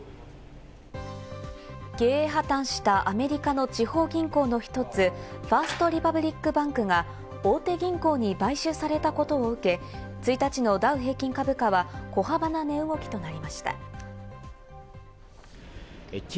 経営破綻したアメリカの地方銀行の一つ、ファースト・リパブリック・バンクが大手銀行に買収されたことを受け、１日のダウ平均株価は小幅な値動きとなりました。